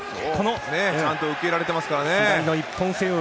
ちゃんと受けられていますからね。